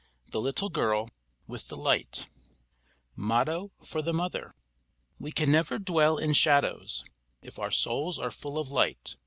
THE LITTLE GIRL WITH THE LIGHT MOTTO FOR THE MOTHER _We can never dwell in shadows If our souls are full of light.